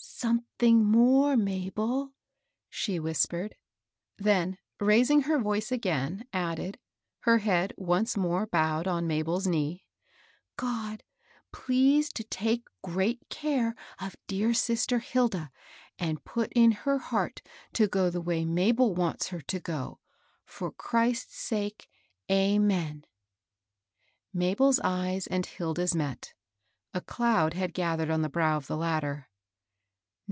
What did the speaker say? ." Something more, Mabel," she whispered ; then, raising her voice again, added, her head once more bowed on Mabel's knee, —^* God please to take gftecA, care of dear sister Hilda, and put in her heart to go the way Mabel wants her to go ; for Christ's sake. J.7new." Mabel's eyes and Hilda's met. A cloud had gathered on the brow of the latter.